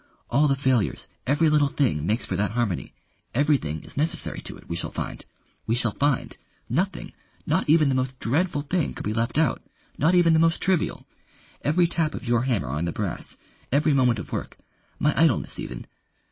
All the failures every little thing makes for that harmony. Everything is necessary to it, we shall find. We shall find. Nothing, not even the most dreadful thing, could be left out. Not even the most trivial. Every tap of your hammer on the brass, every moment of work, my idleness even